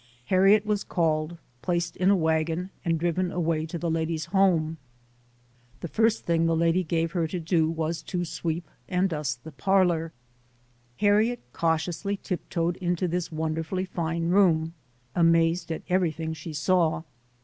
Harriet was called, placed in a wagon and driven away to the lady's home. The first thing the lady gave her to do was to sweep and dust the parlor. Harriet cautiously tiptoed into this wonderfully fine room, amazed at everything she saw.